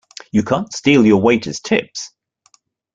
You can't steal your waiters' tips!